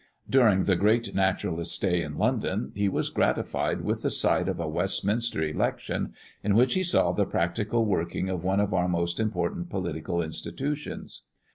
During the great naturalist's stay in London, he was gratified with the sight of a Westminster election, in which he saw the practical working of one of our most important political institutions.